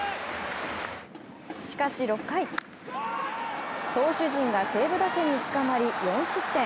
しかし６回、投手陣が西武打線につかまり４失点。